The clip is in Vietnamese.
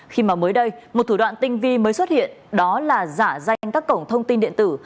khi mà mới đây một thủ đoạn tinh vi mới xuất hiện đó là giả danh các cổng thông tin điện tử